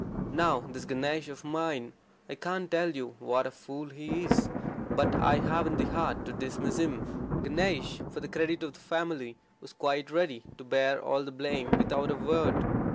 Now, this Ganesh of mine, I can't tell you what a fool he is, but I haven't the heart to dismiss him." Ganesh, for the credit of the family, was quite ready to bear all the blame without a word.